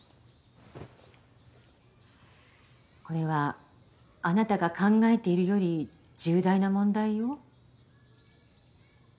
これはあなたが考えているより重大な問題よ。